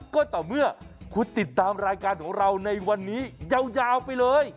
ก็ต่อเมื่อคุณติดตามรายการของเราในวันนี้ยาวไปเลย